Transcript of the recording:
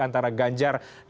antara ganjar dan puan maharani